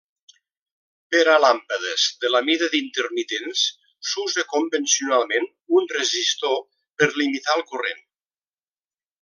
Per a làmpades de la mida d'intermitents, s'usa convencionalment un resistor per limitar el corrent.